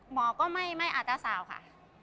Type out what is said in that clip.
หมอก็ไม่อาจจะสาวค่ะ